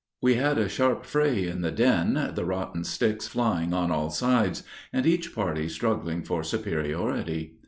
We had a sharp fray in the den, the rotten sticks flying on all sides, and each party struggling for superiority.